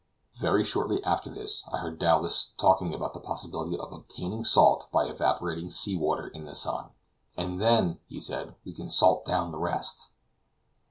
Very shortly after this I heard Dowlas talking about the possibility of obtaining salt by evaporating seawater in the sun; "and then," he added, "we can salt down the rest."